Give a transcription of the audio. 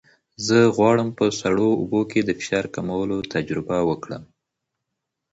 زه غواړم په سړو اوبو کې د فشار کمولو تجربه وکړم.